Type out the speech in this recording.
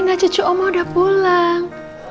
rena cucu oma udah pulang